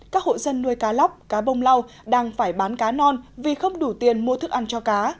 các hộ dân nuôi cá lóc cá bông lau đang phải bán cá non vì không đủ tiền mua thức ăn cho cá